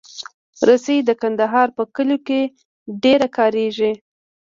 رسۍ د کندهار په کلیو کې ډېره کارېږي.